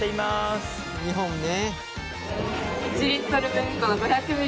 ２本ね。